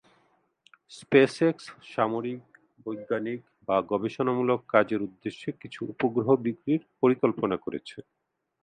SpaceX সামরিক, বৈজ্ঞানিক বা গবেষণামূলক কাজের উদ্দেশ্যে কিছু উপগ্রহ বিক্রির পরিকল্পনা করেছে।